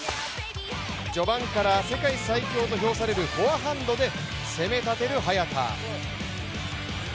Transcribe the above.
序盤から世界最強と称されるフォアハンドで攻めたてる早田。